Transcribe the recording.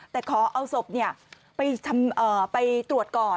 แต่ขอเอาศพไปตรวจก่อน